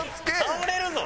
倒れるぞ！